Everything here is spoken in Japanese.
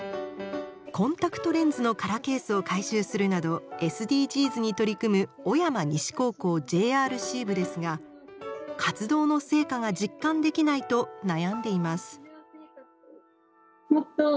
コンタクトレンズの空ケースを回収するなどＳＤＧｓに取り組む小山西高校ＪＲＣ部ですが活動の成果が実感できないと悩んでいます。